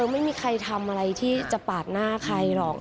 ไม่มีใครทำอะไรที่จะปาดหน้าใครหรอก